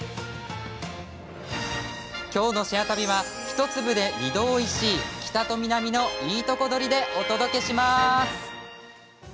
きょうの「シェア旅」は１粒で２度おいしい北と南のいいとこ取りでお届けします。